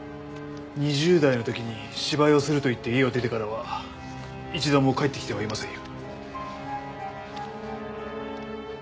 ２０代の時に芝居をすると言って家を出てからは一度も帰ってきてはいませんよ。